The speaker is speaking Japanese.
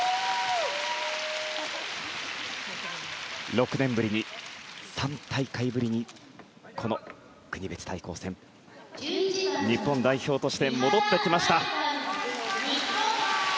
６年ぶりに３大会ぶりにこの国別対抗戦に日本代表として戻ってきました。